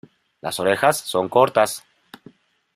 Las orejas son cortas.